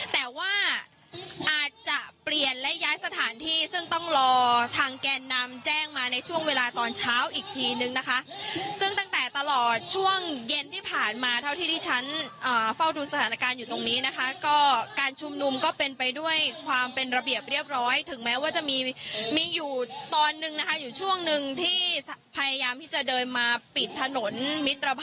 แต่ว่าอาจจะเปลี่ยนและย้ายสถานที่ซึ่งต้องรอทางแกนนำแจ้งมาในช่วงเวลาตอนเช้าอีกทีนึงนะคะซึ่งตั้งแต่ตลอดช่วงเย็นที่ผ่านมาเท่าที่ที่ฉันเฝ้าดูสถานการณ์อยู่ตรงนี้นะคะก็การชุมนุมก็เป็นไปด้วยความเป็นระเบียบเรียบร้อยถึงแม้ว่าจะมีมีอยู่ตอนนึงนะคะอยู่ช่วงหนึ่งที่พยายามที่จะเดินมาปิดถนนมิตรบ